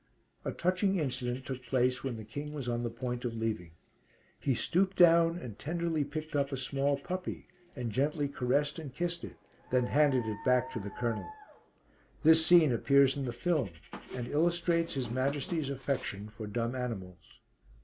A touching incident took place when the King was on the point of leaving. He stooped down and tenderly picked up a small puppy, and gently caressed and kissed it, then handed it back to the Colonel. This scene appears in the film, and illustrates His Majesty's affection for dumb animals.